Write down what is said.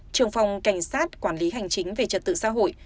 trường phòng cảnh sát quản lý hành chính về trật tự xã hội